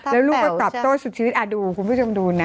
แล้วลูกแล้วก็ตอบโตจากสัตว์ชีวิตดูนะคุณผู้ชมดูนะ